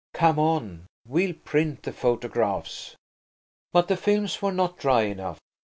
"Come on–we'll print the photographs." But the films were not dry enough.